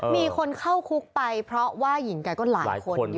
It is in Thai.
มีคนเข้าคุกไปเพราะว่าหญิงแกก็หลายคน